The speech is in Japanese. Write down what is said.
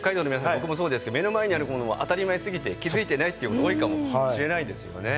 僕もそうですけど目の前にあるもの当たり前すぎて気付いてないっていうの多いかもしれないですよね。